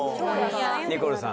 ニコルさん。